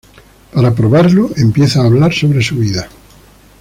Para probarlo, empieza a hablar sobre su vida.